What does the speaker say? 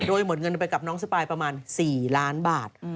โดยหมดเงินไปกับน้องสปายประมาณ๔ล้านบาท